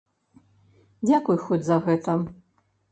Дзякуй хоць за гэта.